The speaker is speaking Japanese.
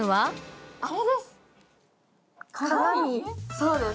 そうです